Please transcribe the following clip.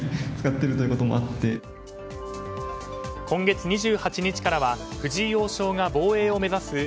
今月２８日からは藤井王将が防衛を目指す